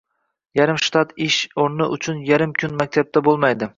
Yarim shtat ish o‘rni uchun yarim kun maktabda bo‘lmaydi.